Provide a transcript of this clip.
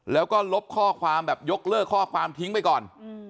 แล้วก็ลบข้อความแบบยกเลิกข้อความทิ้งไปก่อน